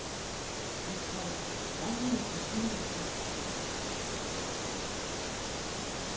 一体何を買ったのでしょうか。